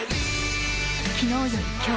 昨日より今日。